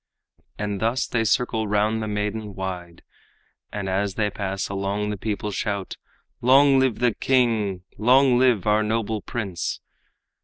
And thus they circle round the maidan wide, And as they pass along the people shout, "Long live the king! long live our noble prince!"